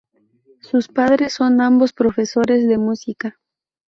Sus padres son ambos profesores de música.